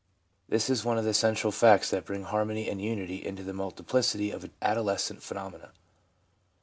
This is one of the central facts that bring harmony and unity into the multiplicity of adolescent phenomena.